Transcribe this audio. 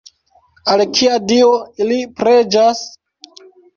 Al kia dio ili preĝas?